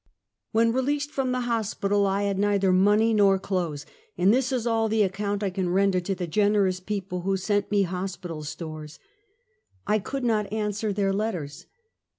When released from the hospital, I had neither money nor clothes, and this is all the account I can ren der to the generous people who sent me hospital stores. I could not answer their letters.